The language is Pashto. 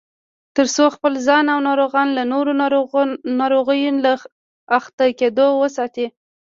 ترڅو خپل ځان او ناروغان له نورو ناروغیو له اخته کېدو وساتي